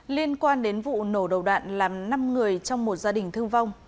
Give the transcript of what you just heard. liên quan đến vụ nổ đầu đạn làm năm người trong một gia đình thương vong